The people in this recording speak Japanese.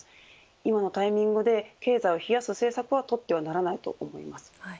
今のタイミングで経済を冷やす政策はとってはならないと思います。